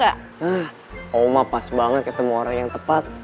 nah oma pas banget ketemu orang yang tepat